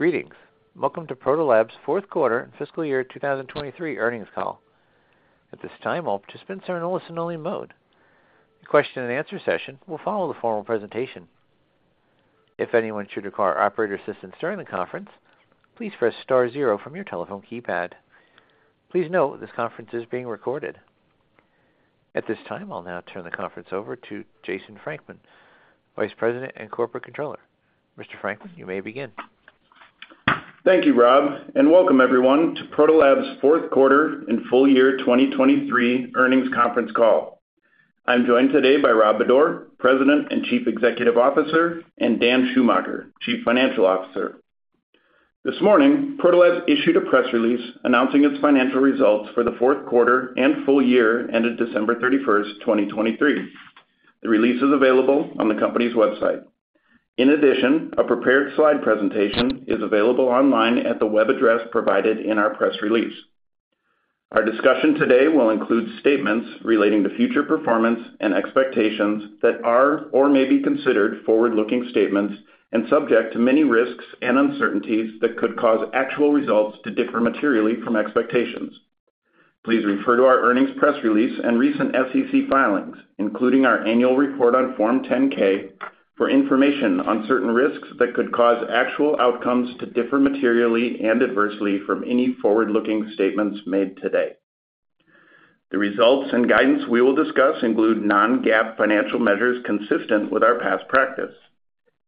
Greetings. Welcome Protolabs' fourth quarter and fiscal year 2023 earnings call. At this time, all participants are in a listen-only mode. The question and answer session will follow the formal presentation. If anyone should require operator assistance during the conference, please press star zero from your telephone keypad. Please note, this conference is being recorded. At this time, I'll now turn the conference over to Jason Frankman, Vice President, Corporate Controller. Mr. Frankman, you may begin. Thank you, Rob, and welcome everyone Protolabs' fourth quarter and full year 2023 earnings conference call. I'm joined today by Rob Bodor, President and Chief Executive Officer, and Dan Schumacher, Chief Financial Officer. This morning Protolabs issued a press release announcing its financial results for the fourth quarter and full year, ended December 31st, 2023. The release is available on the company's website. In addition, a prepared slide presentation is available online at the web address provided in our press release. Our discussion today will include statements relating to future performance and expectations that are or may be considered forward-looking statements and subject to many risks and uncertainties that could cause actual results to differ materially from expectations. Please refer to our earnings press release and recent SEC filings, including our annual report on Form 10-K, for information on certain risks that could cause actual outcomes to differ materially and adversely from any forward-looking statements made today. The results and guidance we will discuss include non-GAAP financial measures consistent with our past practice.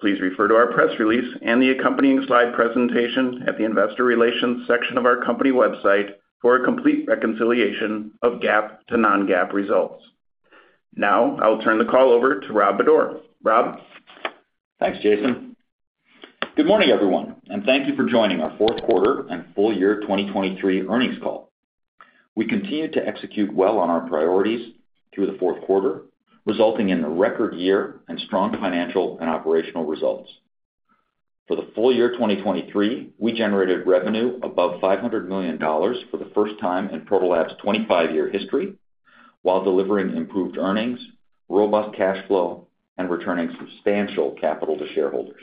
Please refer to our press release and the accompanying slide presentation at the investor relations section of our company website for a complete reconciliation of GAAP to non-GAAP results. Now, I'll turn the call over to Rob Bodor. Rob? Thanks, Jason. Good morning, everyone, and thank you for joining our fourth quarter and full year 2023 earnings call. We continued to execute well on our priorities through the fourth quarter, resulting in a record year and strong financial and operational results. For the full year 2023, we generated revenue above $500 million for the first time Protolabs' 25-year history, while delivering improved earnings, robust cash flow, and returning substantial capital to shareholders.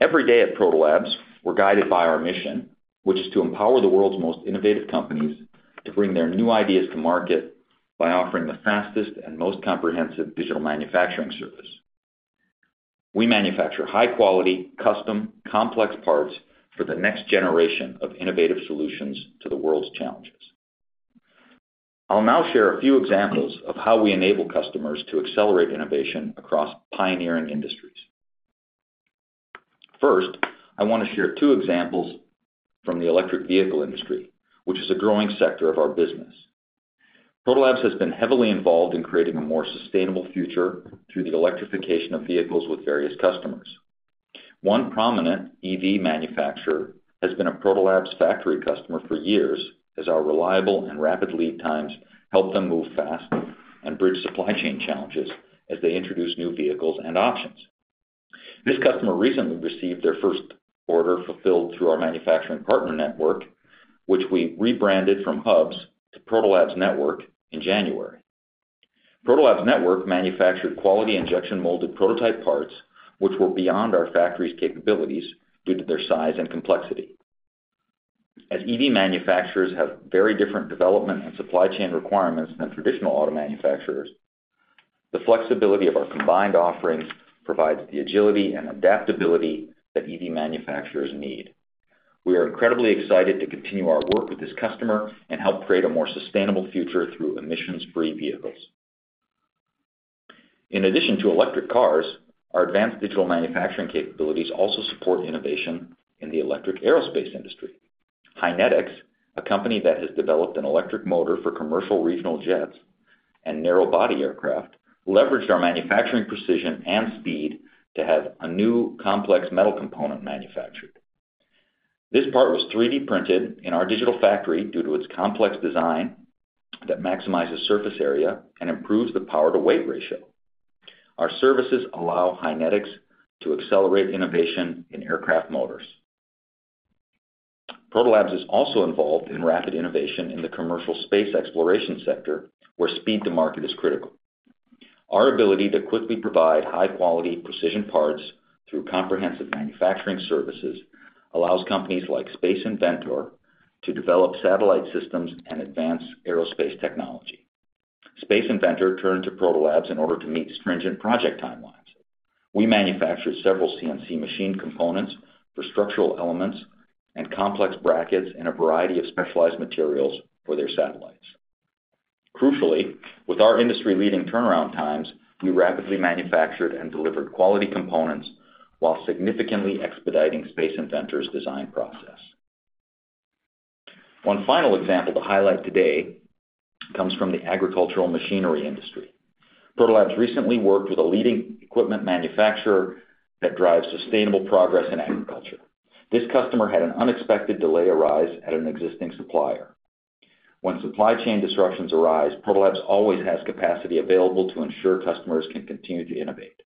Every day Protolabs, we're guided by our mission, which is to empower the world's most innovative companies to bring their new ideas to market by offering the fastest and most comprehensive digital manufacturing service. We manufacture high quality, custom, complex parts for the next generation of innovative solutions to the world's challenges. I'll now share a few examples of how we enable customers to accelerate innovation across pioneering industries. First, I want to share two examples from the electric vehicle industry, which is a growing sector of our business. Protolabs has been heavily involved in creating a more sustainable future through the electrification of vehicles with various customers. One prominent EV manufacturer has been Protolabs factory customer for years, as our reliable and rapid lead times help them move fast and bridge supply chain challenges as they introduce new vehicles and options. This customer recently received their first order fulfilled through our manufacturing partner network, which we rebranded from Hubs to Protolabs Network in Protolabs Network manufactured quality injection molded prototype parts, which were beyond our factory's capabilities due to their size and complexity. As EV manufacturers have very different development and supply chain requirements than traditional auto manufacturers, the flexibility of our combined offerings provides the agility and adaptability that EV manufacturers need. We are incredibly excited to continue our work with this customer and help create a more sustainable future through emissions-free vehicles. In addition to electric cars, our advanced digital manufacturing capabilities also support innovation in the electric aerospace industry. Hinetics, a company that has developed an electric motor for commercial regional jets and narrow-body aircraft, leveraged our manufacturing precision and speed to have a new complex metal component manufactured. This part was 3D printed in our digital factory due to its complex design that maximizes surface area and improves the power-to-weight ratio. Our services allow Hinetics to accelerate innovation in aircraft motors. Protolabs is also involved in rapid innovation in the commercial space exploration sector, where speed to market is critical. Our ability to quickly provide high-quality, precision parts through comprehensive manufacturing services allows companies like Space Inventor to develop satellite systems and advance aerospace technology. Space Inventor turned to Protolabs in order to meet stringent project timelines. We manufactured several CNC machine components for structural elements and complex brackets in a variety of specialized materials for their satellites. Crucially, with our industry-leading turnaround times, we rapidly manufactured and delivered quality components while significantly expediting Space Inventor's design process. One final example to highlight today comes from the agricultural machinery industry. Protolabs recently worked with a leading equipment manufacturer that drives sustainable progress in agriculture. This customer had an unexpected delay arise at an existing supplier. When supply chain disruptions arise Protolabs always has capacity available to ensure customers can continue to innovate.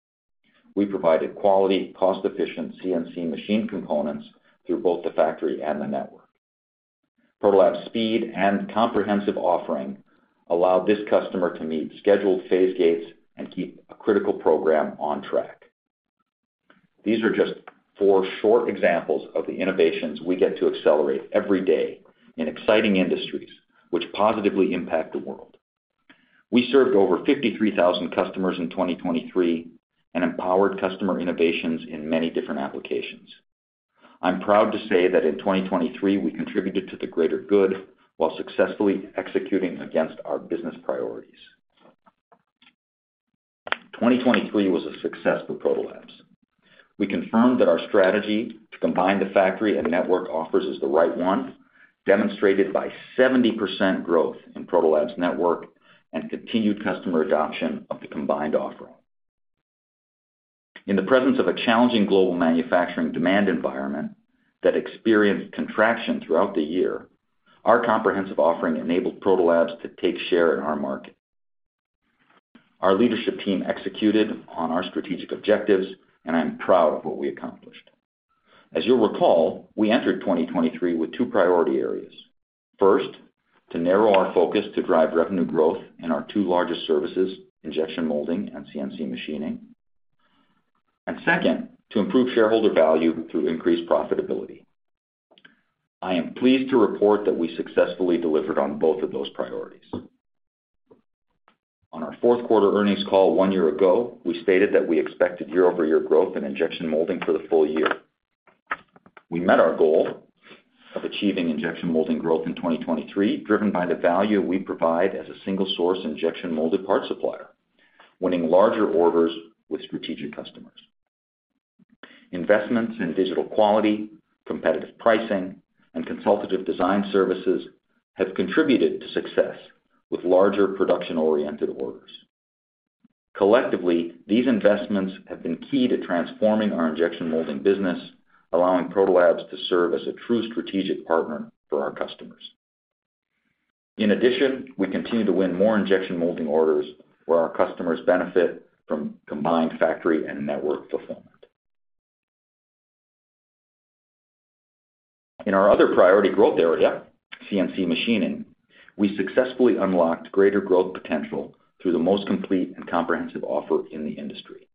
We provided quality, cost-efficient CNC machine components through both the factory and the network. Protolabs' speed and comprehensive offering allowed this customer to meet scheduled phase gates and keep a critical program on track. These are just four short examples of the innovations we get to accelerate every day in exciting industries, which positively impact the world. We served over 53,000 customers in 2023, and empowered customer innovations in many different applications. I'm proud to say that in 2023, we contributed to the greater good while successfully executing against our business priorities. 2023 was a success for Protolabs. we confirmed that our strategy to combine the factory and network offers is the right one, demonstrated by 70% growth in Protolabs network and continued customer adoption of the combined offering. In the presence of a challenging global manufacturing demand environment that experienced contraction throughout the year, our comprehensive offering enabled Protolabs to take share in our market. Our leadership team executed on our strategic objectives, and I'm proud of what we accomplished. As you'll recall, we entered 2023 with two priority areas. First, to narrow our focus to drive revenue growth in our two largest services, injection molding and CNC machining. Second, to improve shareholder value through increased profitability. I am pleased to report that we successfully delivered on both of those priorities. On our fourth quarter earnings call one year ago, we stated that we expected year-over-year growth in injection molding for the full year. We met our goal of achieving injection molding growth in 2023, driven by the value we provide as a single source injection molded part supplier, winning larger orders with strategic customers. Investments in digital quality, competitive pricing, and consultative design services have contributed to success with larger production-oriented orders. Collectively, these investments have been key to transforming our injection molding business, allowing Protolabs to serve as a true strategic partner for our customers. In addition, we continue to win more injection molding orders where our customers benefit from combined factory and network fulfillment. In our other priority growth area, CNC machining, we successfully unlocked greater growth potential through the most complete and comprehensive offer in the industry.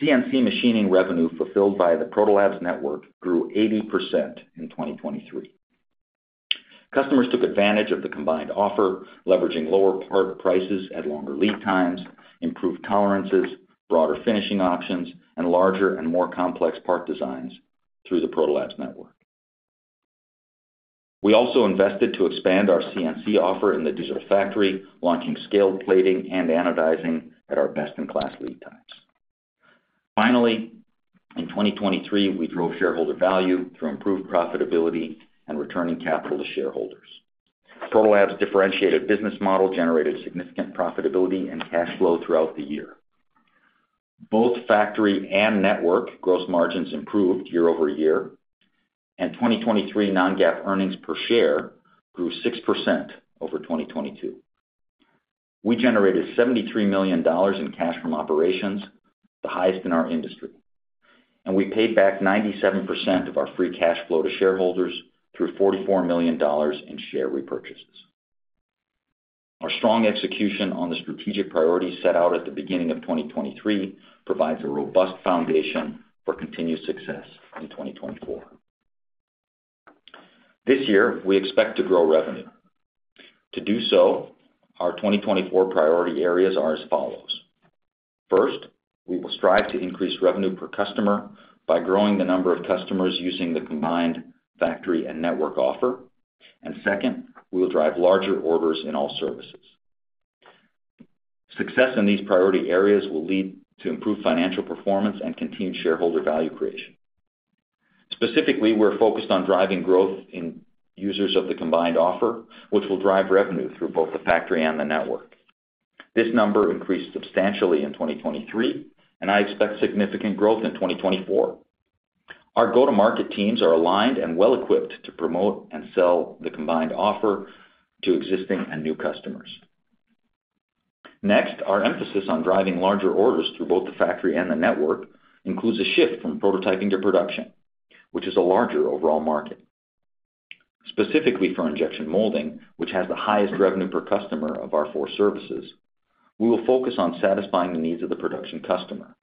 CNC machining revenue fulfilled via Protolabs network grew 80% in 2023. Customers took advantage of the combined offer, leveraging lower part prices at longer lead times, improved tolerances, broader finishing options, and larger and more complex part designs through Protolabs network. We also invested to expand our CNC offer in the digital factory, launching scaled plating and anodizing at our best-in-class lead times. Finally, in 2023, we drove shareholder value through improved profitability and returning capital to shareholders. Protolabs' differentiated business model generated significant profitability and cash flow throughout the year. Both factory and network gross margins improved year-over-year, and 2023 non-GAAP earnings per share grew 6% over 2022. We generated $73 million in cash from operations, the highest in our industry, and we paid back 97% of our free cash flow to shareholders through $44 million in share repurchases. Our strong execution on the strategic priorities set out at the beginning of 2023 provides a robust foundation for continued success in 2024. This year, we expect to grow revenue. To do so, our 2024 priority areas are as follows: First, we will strive to increase revenue per customer by growing the number of customers using the combined factory and network offer, and second, we will drive larger orders in all services. Success in these priority areas will lead to improved financial performance and continued shareholder value creation. Specifically, we're focused on driving growth in users of the combined offer, which will drive revenue through both the factory and the network. This number increased substantially in 2023, and I expect significant growth in 2024. Our go-to-market teams are aligned and well-equipped to promote and sell the combined offer to existing and new customers. Next, our emphasis on driving larger orders through both the factory and the network includes a shift from prototyping to production, which is a larger overall market. Specifically for injection molding, which has the highest revenue per customer of our four services, we will focus on satisfying the needs of the production customer.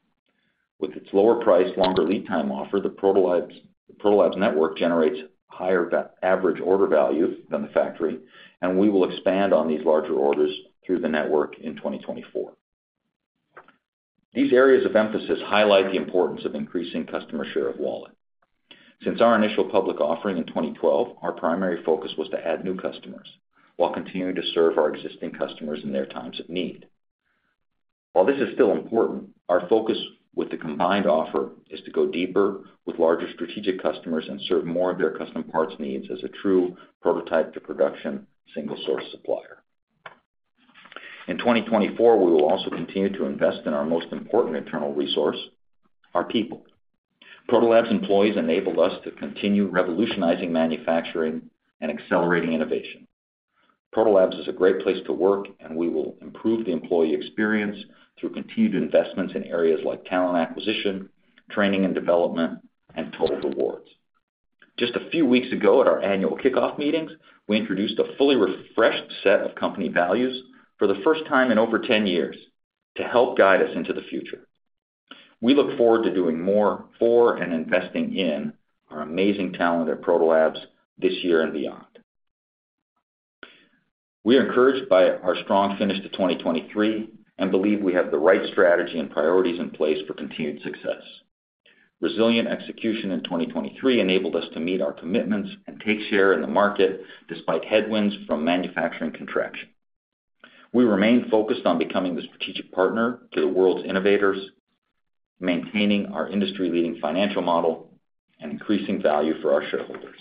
With its lower price, longer lead time offer, Protolabs network generates higher average order value than the factory, and we will expand on these larger orders through the network in 2024. These areas of emphasis highlight the importance of increasing customer share of wallet. Since our initial public offering in 2012, our primary focus was to add new customers while continuing to serve our existing customers in their times of need. While this is still important, our focus with the combined offer is to go deeper with larger strategic customers and serve more of their custom parts needs as a true prototype to production, single-source supplier. In 2024, we will also continue to invest in our most important internal resource, our Protolabs employees enabled us to continue revolutionizing manufacturing and accelerating innovation. Protolabs is a great place to work, and we will improve the employee experience through continued investments in areas like talent acquisition, training and development, and total rewards. Just a few weeks ago, at our annual kickoff meetings, we introduced a fully refreshed set of company values for the first time in over 10 years to help guide us into the future. We look forward to doing more for, and investing in, our amazing talent at Protolabs this year and beyond. We are encouraged by our strong finish to 2023 and believe we have the right strategy and priorities in place for continued success. Resilient execution in 2023 enabled us to meet our commitments and take share in the market despite headwinds from manufacturing contraction. We remain focused on becoming the strategic partner to the world's innovators, maintaining our industry-leading financial model, and increasing value for our shareholders.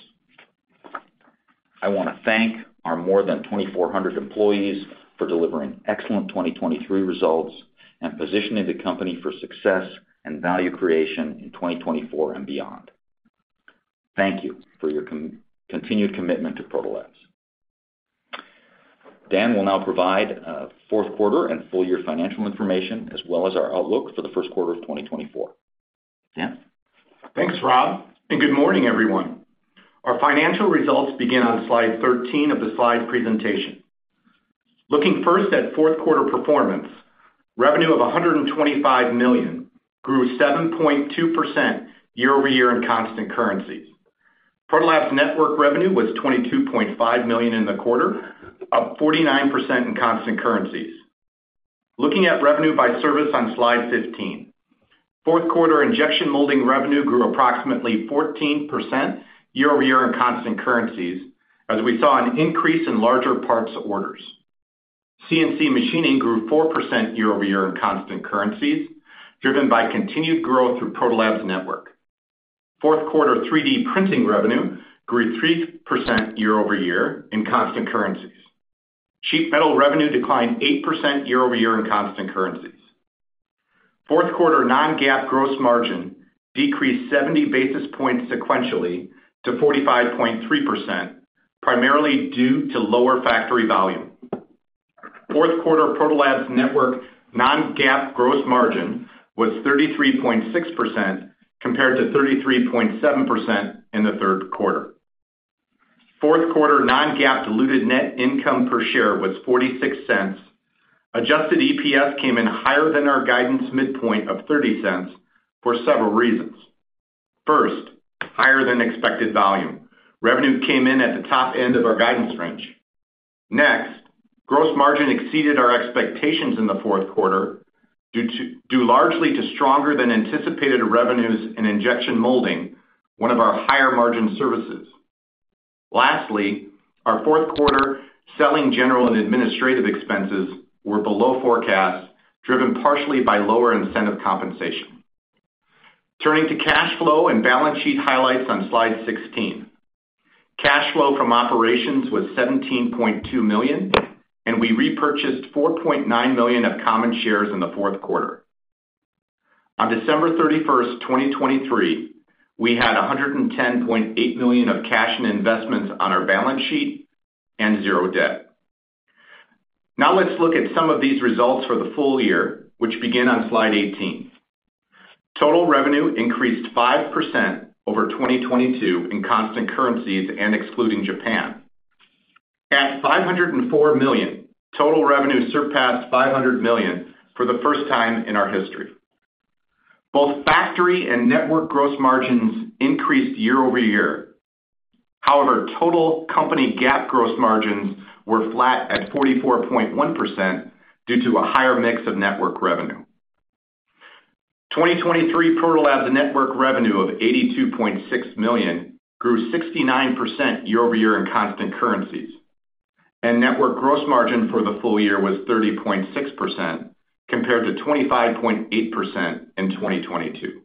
I want to thank our more than 2,400 employees for delivering excellent 2023 results and positioning the company for success and value creation in 2024 and beyond. Thank you for your continued commitment to Protolabs. Dan will now provide fourth quarter and full year financial information, as well as our outlook for the first quarter of 2024. Dan? Thanks, Rob, and good morning, everyone. Our financial results begin on slide 13 of the slide presentation. Looking first at fourth quarter performance, revenue of $125 million grew 7.2% year-over-year in constant currency. Protolabs Network revenue was $22.5 million in the quarter, up 49% in constant currencies. Looking at revenue by service on Slide 15. Fourth quarter injection molding revenue grew approximately 14% year-over-year in constant currencies, as we saw an increase in larger parts orders. CNC machining grew 4% year-over-year in constant currencies, driven by continued growth Protolabs network. Fourth quarter 3D printing revenue grew 3% year-over-year in constant currencies. Sheet metal revenue declined 8% year-over-year in constant currencies. Fourth quarter non-GAAP gross margin decreased 70 basis points sequentially to 45.3%, primarily due to lower factory volume. Fourth quarter Protolabs network non-GAAP gross margin was 33.6%, compared to 33.7% in the third quarter. Fourth quarter non-GAAP diluted net income per share was $0.46. Adjusted EPS came in higher than our guidance midpoint of $0.30 for several reasons. First, higher than expected volume. Revenue came in at the top end of our guidance range. Next, gross margin exceeded our expectations in the fourth quarter, due largely to stronger than anticipated revenues and injection molding, one of our higher margin services. Lastly, our fourth quarter selling, general, and administrative expenses were below forecast, driven partially by lower incentive compensation. Turning to cash flow and balance sheet highlights on Slide 16. Cash flow from operations was $17.2 million, and we repurchased $4.9 million of common shares in the fourth quarter. On December 31st, 2023, we had $110.8 million of cash and investments on our balance sheet and $0 debt. Now, let's look at some of these results for the full year, which begin on Slide 18. Total revenue increased 5% over 2022 in constant currencies and excluding Japan. At $504 million, total revenue surpassed $500 million for the first time in our history. Both factory and network gross margins increased year-over-year. However, total company GAAP gross margins were flat at 44.1% due to a higher mix of network revenue. Protolabs Network revenue of $82.6 million grew 69% year-over-year in constant currencies, and Network gross margin for the full year was 30.6%, compared to 25.8% in 2022.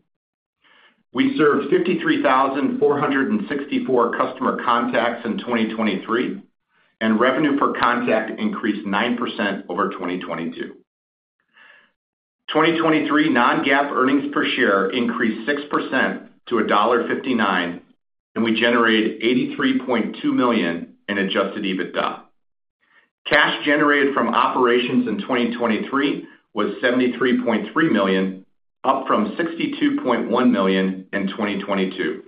We served 53,464 customer contacts in 2023, and revenue per contact increased 9% over 2022. 2023 non-GAAP earnings per share increased 6% to $1.59, and we generated $83.2 million in adjusted EBITDA. Cash generated from operations in 2023 was $73.3 million, up from $62.1 million in 2022.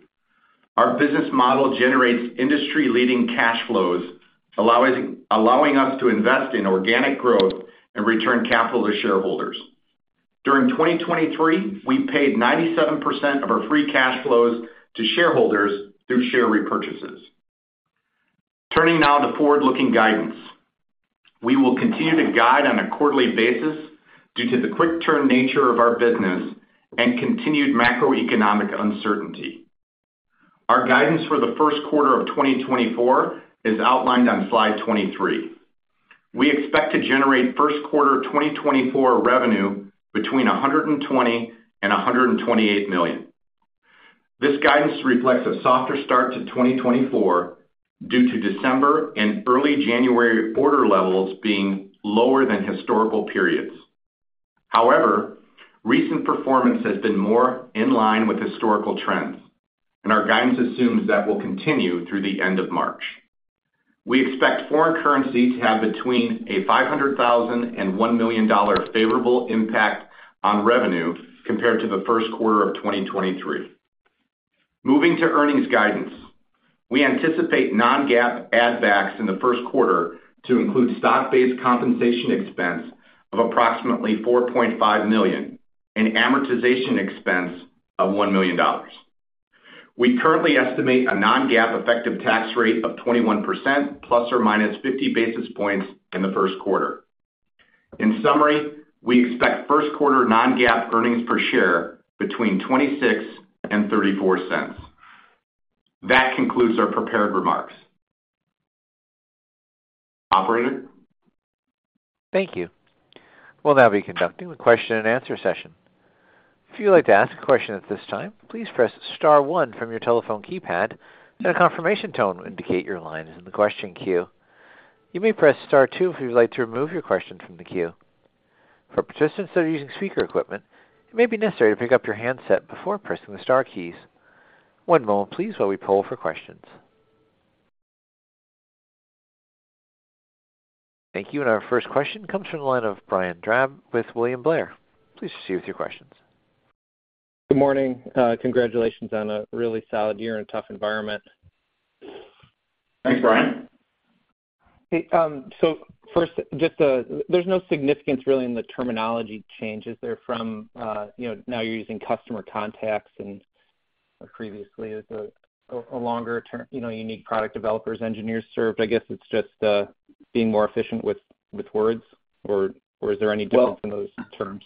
Our business model generates industry-leading cash flows, allowing us to invest in organic growth and return capital to shareholders. During 2023, we paid 97% of our free cash flows to shareholders through share repurchases. Turning now to forward-looking guidance. We will continue to guide on a quarterly basis due to the quick turn nature of our business and continued macroeconomic uncertainty. Our guidance for the first quarter of 2024 is outlined on Slide 23. We expect to generate first quarter 2024 revenue between $120 million and $128 million. This guidance reflects a softer start to 2024 due to December and early January order levels being lower than historical periods. However, recent performance has been more in line with historical trends, and our guidance assumes that will continue through the end of March. We expect foreign currency to have between $500,000 and $1 million dollar favorable impact on revenue compared to the first quarter of 2023. Moving to earnings guidance. We anticipate non-GAAP add backs in the first quarter to include stock-based compensation expense of approximately $4.5 million and amortization expense of $1 million. We currently estimate a non-GAAP effective tax rate of 21%, ±50 basis points in the first quarter. In summary, we expect first quarter non-GAAP earnings per share between $0.26 and $0.34. That concludes our prepared remarks. Operator? Thank you. We'll now be conducting a question and answer session. If you'd like to ask a question at this time, please press star one from your telephone keypad, and a confirmation tone will indicate your line is in the question queue. You may press star two if you'd like to remove your question from the queue. For participants that are using speaker equipment, it may be necessary to pick up your handset before pressing the star keys. One moment, please, while we pull for questions. Thank you. Our first question comes from the line of Brian Drab with William Blair. Please proceed with your questions. Good morning. Congratulations on a really solid year in a tough environment. Thanks, Brian. Hey, so first, just, there's no significance really in the terminology changes there from, you know, now you're using customer contacts, and previously, it's a longer term. You know, you need product developers, engineers served. I guess it's just being more efficient with words or is there any difference in those terms?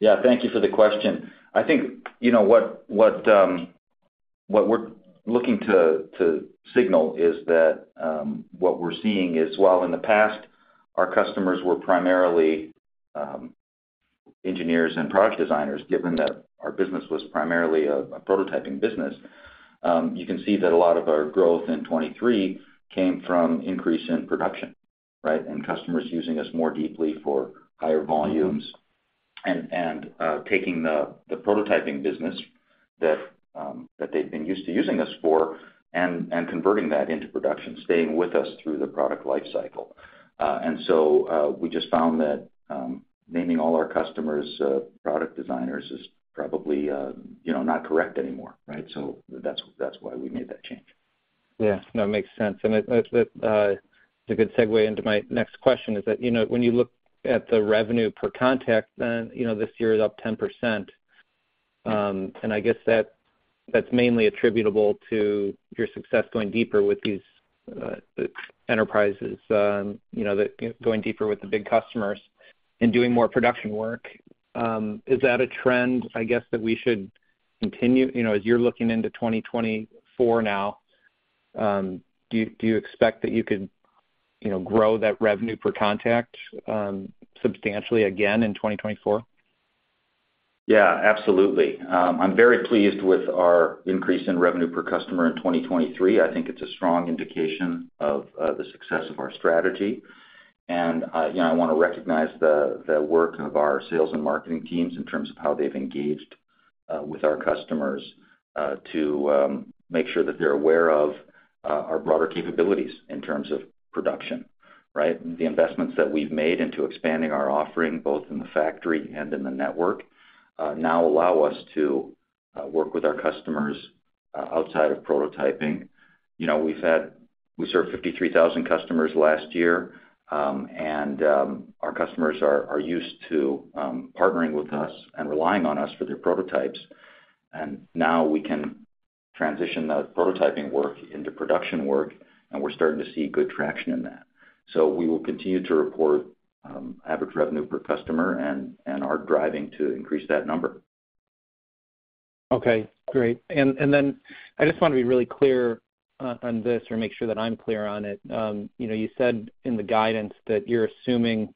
Yeah, thank you for the question. I think, you know, what we're looking to signal is that, what we're seeing is, while in the past, our customers were primarily engineers and product designers, given that our business was primarily a prototyping business, you can see that a lot of our growth in 2023 came from increase in production, right? And customers using us more deeply for higher volumes and taking the prototyping business that they've been used to using us for and converting that into production, staying with us through the product life cycle. And so, we just found that naming all our customers product designers is probably, you know, not correct anymore, right? So that's why we made that change. Yeah, that makes sense. And it, it, it's a good segue into my next question, is that, you know, when you look at the revenue per contact, then, you know, this year is up 10%. And I guess that, that's mainly attributable to your success going deeper with these, enterprises, you know, that going deeper with the big customers and doing more production work. Is that a trend, I guess, that we should continue? You know, as you're looking into 2024 now, do you, do you expect that you could, you know, grow that revenue per contact, substantially again in 2024? Yeah, absolutely. I'm very pleased with our increase in revenue per customer in 2023. I think it's a strong indication of the success of our strategy. And, you know, I wanna recognize the work of our sales and marketing teams in terms of how they've engaged with our customers to make sure that they're aware of our broader capabilities in terms of production, right? The investments that we've made into expanding our offering, both in the factory and in the network, now allow us to work with our customers outside of prototyping. You know, we've had... We served 53,000 customers last year, and our customers are used to partnering with us and relying on us for their prototypes. Now we can transition that prototyping work into production work, and we're starting to see good traction in that. We will continue to report average revenue per customer and are driving to increase that number. Okay, great. And then I just want to be really clear on this, or make sure that I'm clear on it. You know, you said in the guidance that you're assuming,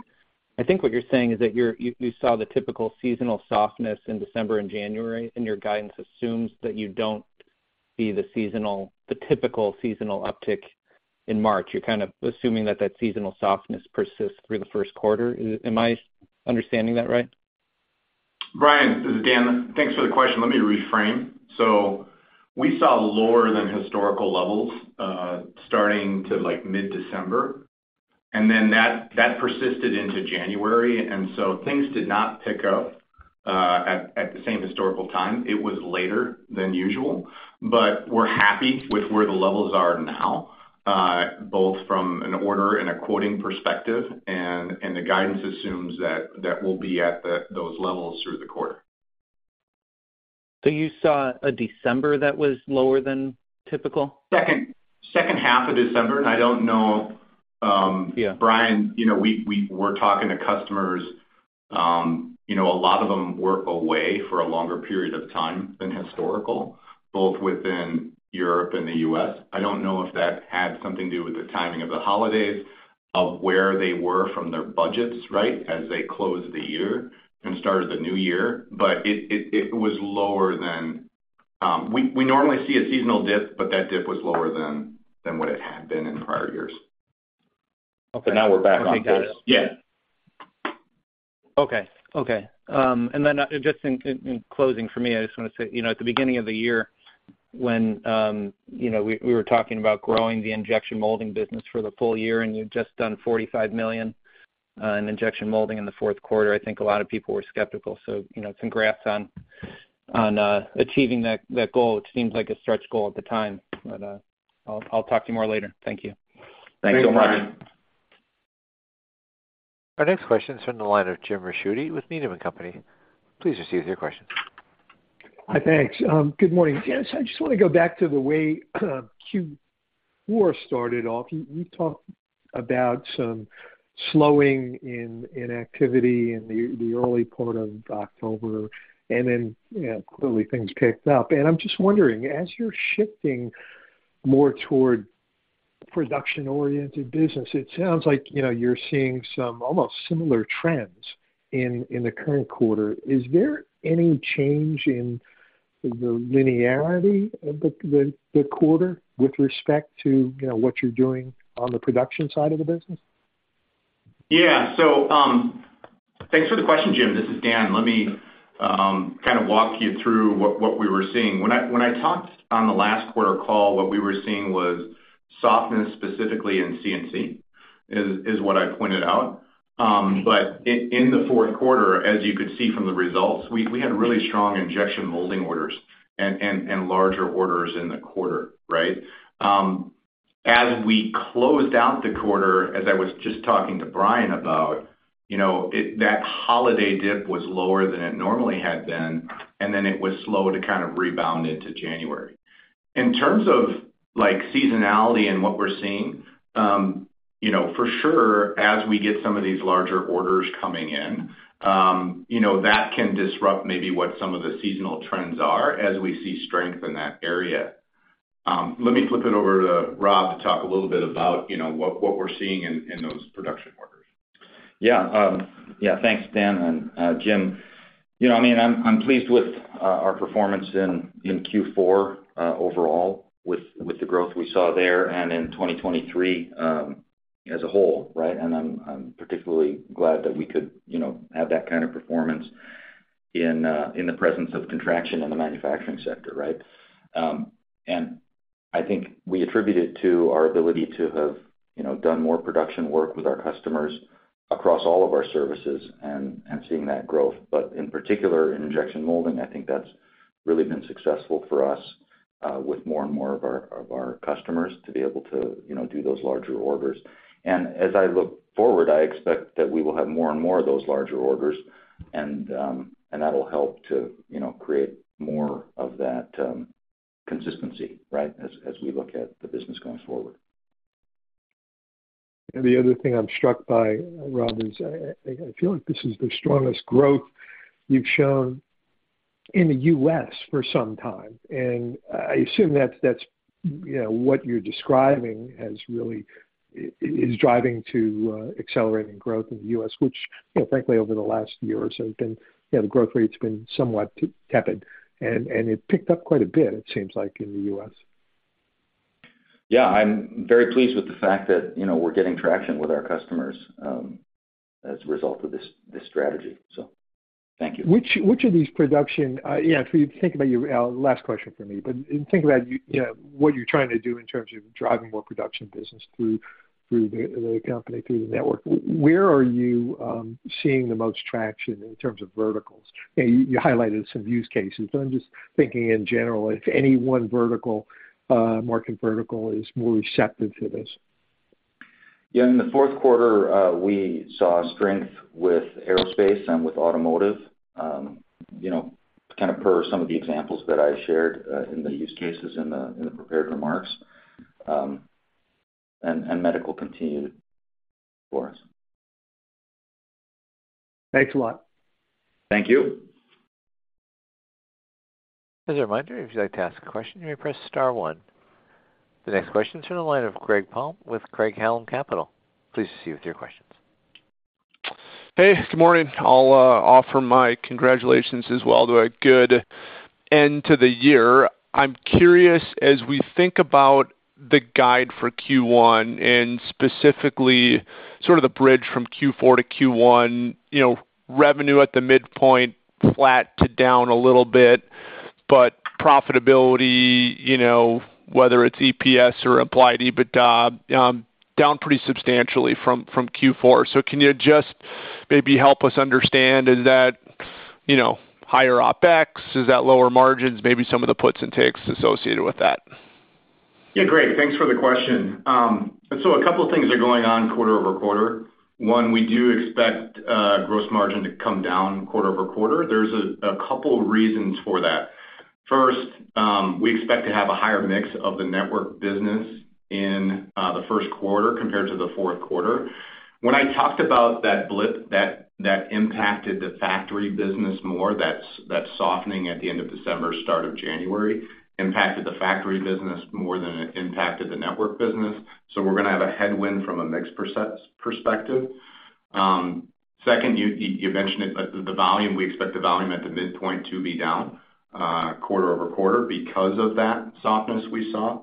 I think what you're saying is that you saw the typical seasonal softness in December and January, and your guidance assumes that you don't see the seasonal, the typical seasonal uptick in March. You're kind of assuming that seasonal softness persists through the first quarter. Am I understanding that right? Brian, this is Dan. Thanks for the question. Let me reframe. So we saw lower than historical levels starting to, like, mid-December, and then that persisted into January, and so things did not pick up at the same historical time. It was later than usual, but we're happy with where the levels are now, both from an order and a quoting perspective, and the guidance assumes that will be at those levels through the quarter. So you saw a December that was lower than typical? Second, second half of December. And I don't know, Yeah. Brian, you know, we, we're talking to customers, you know, a lot of them were away for a longer period of time than historical, both within Europe and the U.S. I don't know if that had something to do with the timing of the holidays, of where they were from their budgets, right? As they closed the year and started the new year. But it was lower than... We normally see a seasonal dip, but that dip was lower than what it had been in prior years.... But now we're back on course. Yeah. Okay. Okay. And then just in closing for me, I just want to say, you know, at the beginning of the year, when you know, we were talking about growing the Injection Molding business for the full year, and you've just done $45 million in Injection Molding in the fourth quarter, I think a lot of people were skeptical. So, you know, congrats on achieving that goal. It seemed like a stretch goal at the time, but I'll talk to you more later. Thank you. Thanks so much. Our next question is from the line of Jim Ricchiuti with Needham and Company. Please proceed with your question. Hi, thanks. Good morning. Dan, I just want to go back to the way Q4 started off. You talked about some slowing in activity in the early part of October, and then, you know, clearly things picked up. And I'm just wondering, as you're shifting more toward production-oriented business, it sounds like, you know, you're seeing some almost similar trends in the current quarter. Is there any change in the linearity of the quarter with respect to, you know, what you're doing on the production side of the business? Yeah. So, thanks for the question, Jim. This is Dan. Let me kind of walk you through what we were seeing. When I talked on the last quarter call, what we were seeing was softness, specifically in CNC, is what I pointed out. But in the fourth quarter, as you could see from the results, we had really strong injection molding orders and larger orders in the quarter, right? As we closed out the quarter, as I was just talking to Brian about, you know, that holiday dip was lower than it normally had been, and then it was slow to kind of rebound into January. In terms of, like, seasonality and what we're seeing, you know, for sure, as we get some of these larger orders coming in, you know, that can disrupt maybe what some of the seasonal trends are as we see strength in that area. Let me flip it over to Rob to talk a little bit about, you know, what we're seeing in those production orders. Yeah, yeah, thanks, Dan and, Jim. You know, I mean, I'm pleased with our performance in Q4 overall, with the growth we saw there and in 2023 as a whole, right? And I'm particularly glad that we could, you know, have that kind of performance in the presence of contraction in the manufacturing sector, right? And I think we attribute it to our ability to have, you know, done more production work with our customers across all of our services and seeing that growth. But in particular, in injection molding, I think that's really been successful for us with more and more of our customers to be able to, you know, do those larger orders. As I look forward, I expect that we will have more and more of those larger orders, and that'll help to, you know, create more of that, consistency, right? As we look at the business going forward. The other thing I'm struck by, Rob, is I feel like this is the strongest growth you've shown in the U.S. for some time, and I assume that's you know, what you're describing as really is driving to accelerating growth in the U.S., which, you know, frankly, over the last year or so, have been... You know, the growth rate's been somewhat tepid, and it picked up quite a bit, it seems like, in the U.S. Yeah, I'm very pleased with the fact that, you know, we're getting traction with our customers as a result of this, this strategy. So thank you. Which of these production? Yeah, if you think about your last question for me, but think about you, you know, what you're trying to do in terms of driving more production business through the company, through the network, where are you seeing the most traction in terms of verticals? And you highlighted some use cases, but I'm just thinking in general, if any one vertical market vertical is more receptive to this. Yeah, in the fourth quarter, we saw strength with aerospace and with automotive, you know, kind of per some of the examples that I shared, in the use cases in the prepared remarks. And medical continued for us. Thanks a lot. Thank you. As a reminder, if you'd like to ask a question, you may press star one. The next question is from the line of Greg Palm with Craig-Hallum Capital. Please proceed with your questions. Hey, good morning. I'll offer my congratulations as well to a good end to the year. I'm curious, as we think about the guide for Q1, and specifically sort of the bridge from Q4 to Q1, you know, revenue at the midpoint, flat to down a little bit, but profitability, you know, whether it's EPS or Applied EBITDA, down pretty substantially from Q4. So can you just maybe help us understand, is that, you know, higher OpEx? Is that lower margins? Maybe some of the puts and takes associated with that. Yeah, great. Thanks for the question. So a couple of things are going on quarter-over-quarter. One, we do expect gross margin to come down quarter-over-quarter. There's a couple of reasons for that. First, we expect to have a higher mix of the network business in the first quarter compared to the fourth quarter. When I talked about that blip that impacted the factory business more, that's that softening at the end of December, start of January, impacted the factory business more than it impacted the network business. So we're gonna have a headwind from a mix perspective. Second, you mentioned it, but the volume, we expect the volume at the midpoint to be down quarter-over-quarter because of that softness we saw.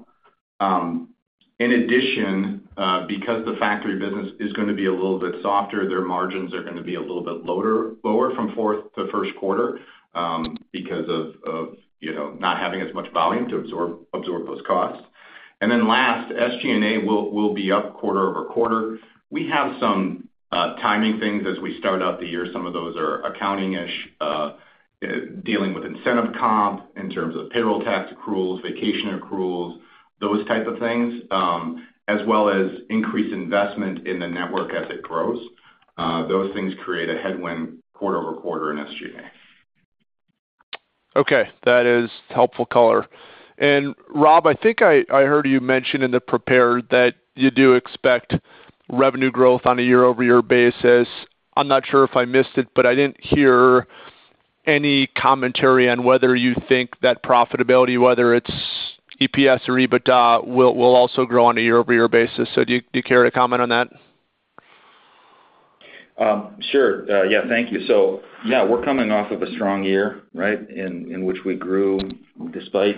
In addition, because the factory business is gonna be a little bit softer, their margins are gonna be a little bit lower from fourth to first quarter, because of, you know, not having as much volume to absorb those costs. And then last, SG&A will be up quarter over quarter. We have some timing things as we start out the year. Some of those are accounting-ish, dealing with incentive comp in terms of payroll tax accruals, vacation accruals, those type of things, as well as increased investment in the network as it grows. Those things create a headwind quarter over quarter in SG&A. Okay, that is helpful color. Rob, I think I, I heard you mention in the prepared that you do expect revenue growth on a year-over-year basis. I'm not sure if I missed it, but I didn't hear any commentary on whether you think that profitability, whether it's EPS or EBITDA, will, will also grow on a year-over-year basis. Do you, do you care to comment on that? Sure. Yeah, thank you. So yeah, we're coming off of a strong year, right? In, in which we grew despite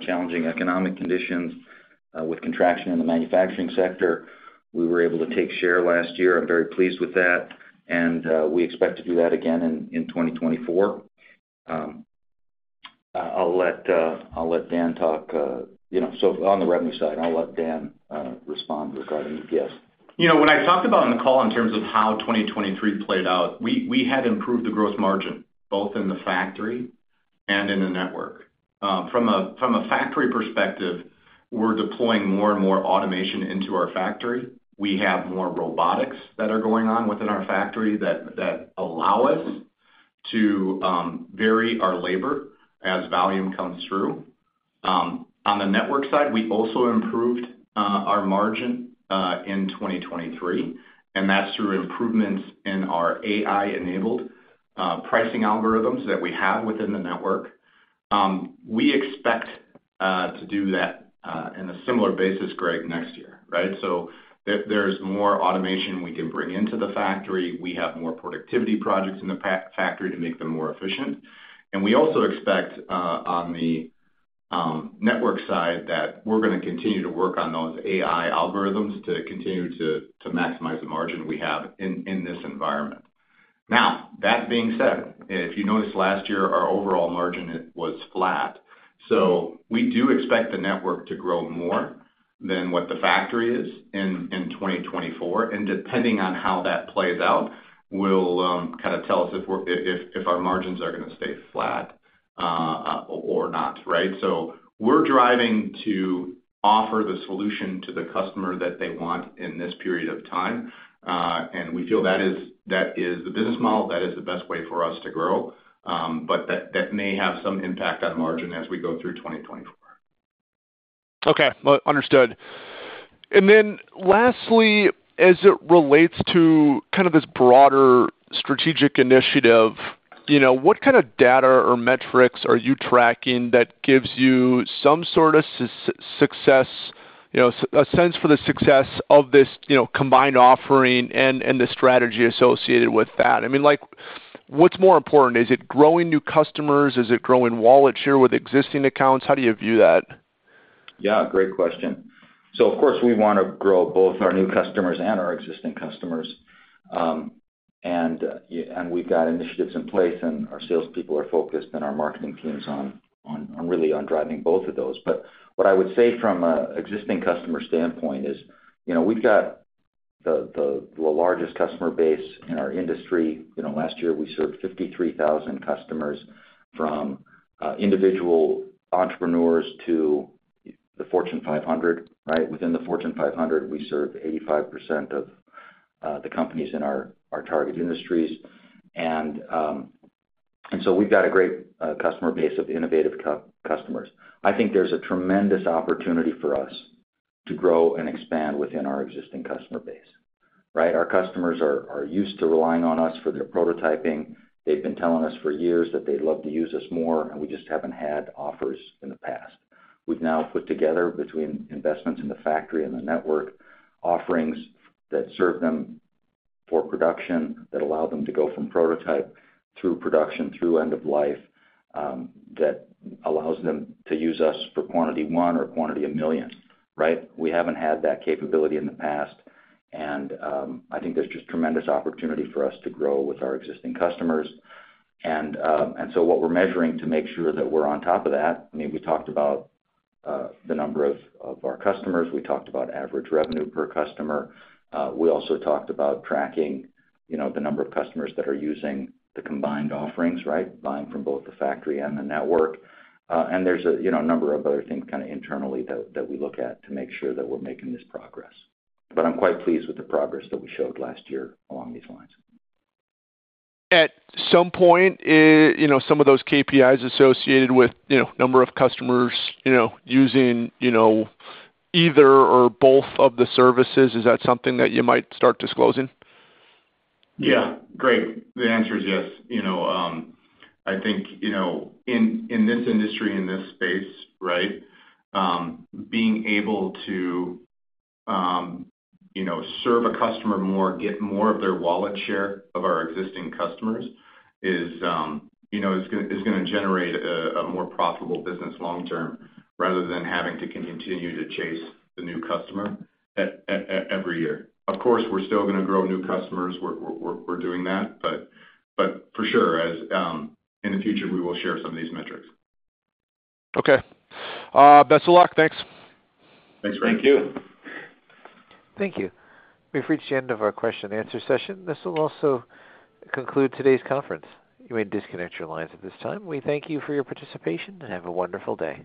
challenging economic conditions with contraction in the manufacturing sector. We were able to take share last year. I'm very pleased with that, and we expect to do that again in 2024. I'll let Dan talk, you know, so on the revenue side, I'll let Dan respond regarding EPS. You know, when I talked about on the call in terms of how 2023 played out, we had improved the growth margin, both in the factory and in the network. From a factory perspective, we're deploying more and more automation into our factory. We have more robotics that are going on within our factory that allow us to vary our labor as volume comes through. On the network side, we also improved our margin in 2023, and that's through improvements in our AI-enabled pricing algorithms that we have within the network. We expect to do that in a similar basis, Greg, next year, right? So there's more automation we can bring into the factory. We have more productivity projects in the factory to make them more efficient. And we also expect on the network side that we're gonna continue to work on those AI algorithms to continue to maximize the margin we have in this environment. Now, that being said, if you noticed last year, our overall margin was flat. So we do expect the network to grow more than what the factory is in 2024, and depending on how that plays out, will kind of tell us if we're if our margins are gonna stay flat or not, right? So we're driving to offer the solution to the customer that they want in this period of time, and we feel that is that is the business model, that is the best way for us to grow. But that that may have some impact on margin as we go through 2024. Okay. Well, understood. And then lastly, as it relates to kind of this broader strategic initiative, you know, what kind of data or metrics are you tracking that gives you some sort of success, you know, a sense for the success of this, you know, combined offering and the strategy associated with that? I mean, like, what's more important? Is it growing new customers? Is it growing wallet share with existing accounts? How do you view that? Yeah, great question. So of course, we wanna grow both our new customers and our existing customers. And, yeah, and we've got initiatives in place, and our salespeople are focused, and our marketing teams on really on driving both of those. But what I would say from a existing customer standpoint is, you know, we've got the largest customer base in our industry. You know, last year, we served 53,000 customers, from individual entrepreneurs to the Fortune 500, right? Within the Fortune 500, we serve 85% of the companies in our target industries. And so we've got a great customer base of innovative customers. I think there's a tremendous opportunity for us to grow and expand within our existing customer base, right? Our customers are used to relying on us for their prototyping. They've been telling us for years that they'd love to use us more, and we just haven't had offers in the past. We've now put together, between investments in the factory and the network, offerings that serve them for production, that allow them to go from prototype through production, through end of life, that allows them to use us for quantity one or quantity of millions, right? We haven't had that capability in the past, and I think there's just tremendous opportunity for us to grow with our existing customers. And so what we're measuring to make sure that we're on top of that, I mean, we talked about the number of our customers. We talked about average revenue per customer. We also talked about tracking, you know, the number of customers that are using the combined offerings, right? Buying from both the factory and the network. And there's a, you know, number of other things kind of internally that we look at to make sure that we're making this progress. But I'm quite pleased with the progress that we showed last year along these lines. At some point, you know, some of those KPIs associated with, you know, number of customers, you know, using, you know, either or both of the services, is that something that you might start disclosing? Yeah, great. The answer is yes. You know, I think, you know, in this industry, in this space, right, being able to, you know, serve a customer more, get more of their wallet share of our existing customers is, you know, is gonna generate a more profitable business long term, rather than having to continue to chase the new customer every year. Of course, we're still gonna grow new customers. We're doing that, but for sure, in the future, we will share some of these metrics. Okay. Best of luck. Thanks. Thanks, Greg. Thank you. Thank you. We've reached the end of our question and answer session. This will also conclude today's conference. You may disconnect your lines at this time. We thank you for your participation, and have a wonderful day.